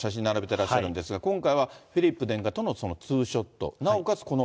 並べてらっしゃるんですが、今回は、フィリップ殿下とのツーショット、なおかつ